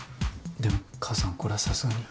でも母さんこれはさすがに。